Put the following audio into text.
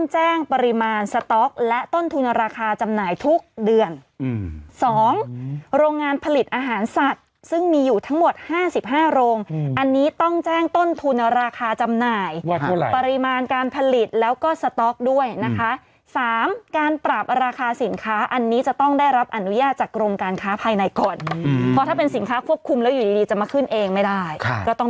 หากปลูกโดยไม่จดแจ้งมีโทษปรับไม่เกินสองหมื่นบาท